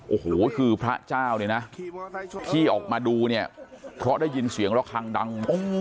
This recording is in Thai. โอ้โหคือพระเจ้าเนี่ยนะที่ออกมาดูเนี่ยเพราะได้ยินเสียงระคังดัง